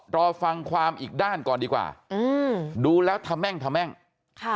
รอฟังความอีกด้านก่อนดีกว่าอืมดูแล้วทะแม่งทะแม่งค่ะ